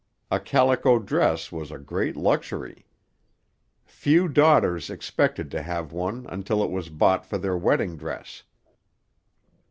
A calico dress was a great luxury. Few daughters expected to have one until it was bought for their wedding dress.